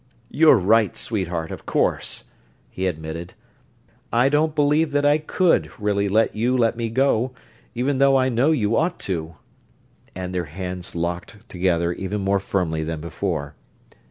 "You're right, sweetheart, of course," he admitted. "I don't believe that I could really let you let me go, even though I know you ought to," and their hands locked together even more firmly than before.